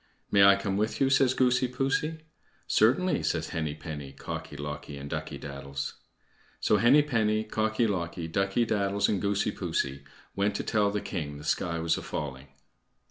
"May I come with you?" says Goosey poosey. "Certainly," says Henny penny, Cocky locky, and Ducky daddles. So Henny penny, Cocky locky, Ducky daddles, and Goosey poosey went to tell the king the sky was a falling.